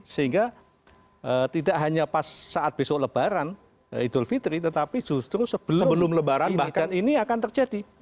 sehingga tidak hanya pas saat besok lebaran idul fitri tetapi justru sebelum lebaran bahkan ini akan terjadi